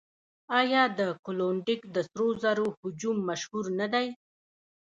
آیا د کلونډیک د سرو زرو هجوم مشهور نه دی؟